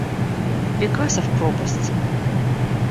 Бекасов пропасть.